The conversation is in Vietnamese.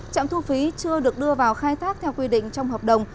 trạm thu phí chưa được đưa vào khai thác theo quy định trong hợp đồng